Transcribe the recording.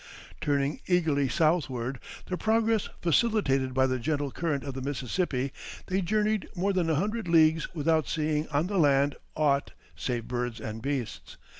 Turning eagerly southward, their progress facilitated by the gentle current of the Mississippi, they journeyed more than a hundred leagues without seeing on the land aught save birds and beasts.